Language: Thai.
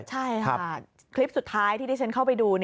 ใช่ค่ะคลิปสุดท้ายที่ที่ฉันเข้าไปดู